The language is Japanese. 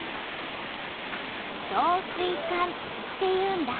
「導水管」っていうんだ。